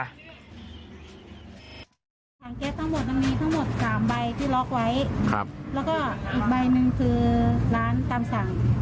ถังแก๊สทั้งหมดมันมีทั้งหมด๓ใบที่ล็อกไว้แล้วก็อีกใบหนึ่งคือร้านตามสั่ง